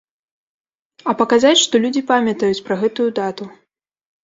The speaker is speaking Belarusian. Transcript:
А паказаць, што людзі памятаюць пра гэтую дату.